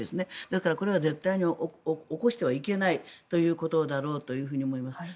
だから、これは絶対に起こしてはいけないということだと思います。